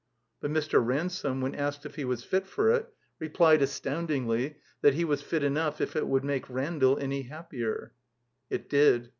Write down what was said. But Mr. Ransome, when asked if he was fit for it, replied astoundingly that he was fit enough if it would make Randall any happier. It did.